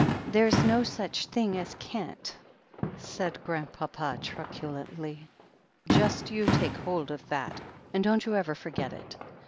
"There's no such thing as can't/' said Grandpapa truculently. "Just you take hold of that and don't you ever forget it.